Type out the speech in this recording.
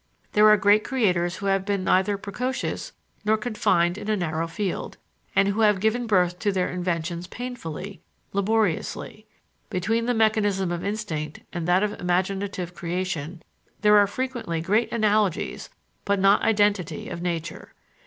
There are great creators who have been neither precocious nor confined in a narrow field, and who have given birth to their inventions painfully, laboriously. Between the mechanism of instinct and that of imaginative creation there are frequently great analogies but not identity of nature.